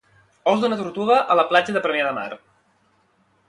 Ous d'una tortuga a la platja de Premià de Mar.